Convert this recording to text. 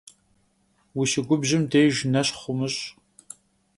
Vuşıgubjım dêjj neşxh vumış'.